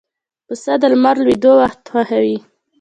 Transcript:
پسه د لمر لوېدو وخت خوښوي.